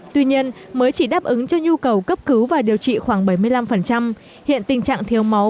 tuy nhiên mới chỉ đáp ứng cho nhu cầu cấp cứu và điều trị khoảng bảy mươi năm hiện tình trạng thiếu máu